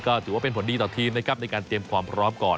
ก็ถือว่าเป็นผลดีต่อทีมนะครับในการเตรียมความพร้อมก่อน